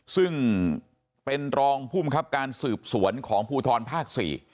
ซึ่งเป็นรองภูมิครับการสืบสวนของภูทรภาค๔